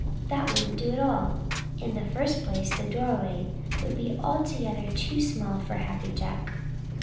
That wouldn't do at all. In the first place, the doorway would be altogether too small for Happy Jack.